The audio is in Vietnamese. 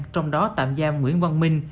trong đó tạm giam nguyễn văn minh